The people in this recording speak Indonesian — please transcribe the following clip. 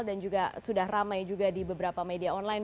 dan juga sudah ramai juga di beberapa media online